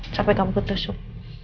sampai kamu kutusuk